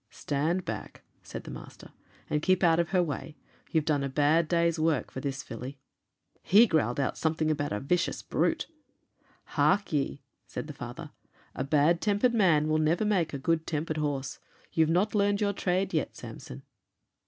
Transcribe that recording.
'Stand back,' said the master, 'and keep out of her way; you've done a bad day's work for this filly.' He growled out something about a vicious brute. 'Hark ye,' said the father, 'a bad tempered man will never make a good tempered horse. You've not learned your trade yet, Samson.'